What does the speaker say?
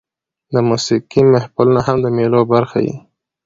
د موسیقۍ محفلونه هم د مېلو برخه يي.